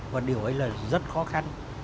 và điều ấy là rất khó khăn